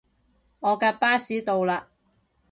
我架巴士到喇